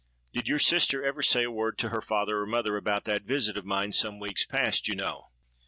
Did your sister ever say a word to her father or mother about that visit of mine some weeks past, you know?'